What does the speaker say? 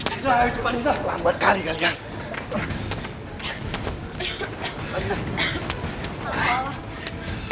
kita harus cepat keluar dari sini rizah